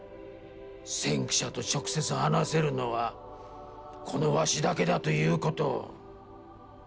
先駆者と直接話せるのはこのわしだけだという事を。